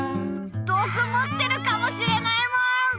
どくもってるかもしれないもん！